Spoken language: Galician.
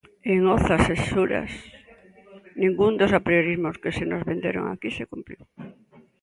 En Oza-Cesuras, ningún dos apriorismos que se nos venderon aquí se cumpriu.